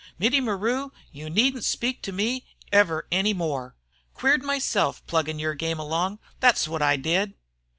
'Mittie Maru, you needn't speak to me ever any more.' Queered myself pluggin' yer game along, thet's wot I did."